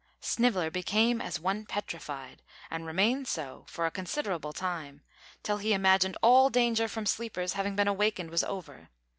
Sniveller became as one petrified, and remained so for a considerable time, till he imagined all danger from sleepers having been awakened was over.